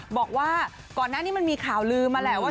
บอกว่าก่อนหน้านี้มันมีข่าวลืมมาแหละว่า